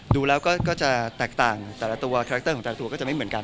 ดูแล้วก็จะแตกต่างแต่ละตัวคุ้นออกจากตัวก็จะไม่เหมือนกัน